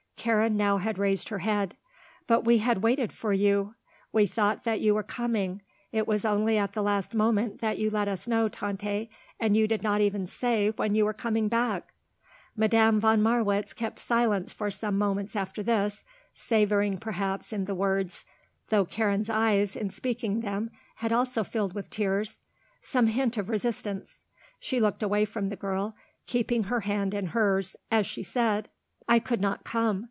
Karen now had raised her head. "But we had waited for you. We thought that you were coming. It was only at the last moment that you let us know, Tante, and you did not even say when you were coming back." Madame von Marwitz kept silence for some moments after this, savouring perhaps in the words though Karen's eyes, in speaking them, had also filled with tears some hint of resistance. She looked away from the girl, keeping her hand in hers, as she said: "I could not come.